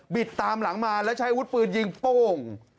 บิดตามหลังมาแล้วใช้วุดปืนยิงป้ง